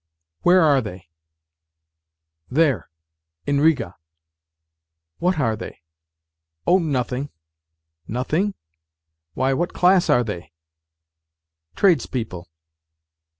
" Where are they ?"" There ... in Riga." " What are they ?"" Oh, nothing." " Nothing ? Why, what class are they ?" "Tradespeople."'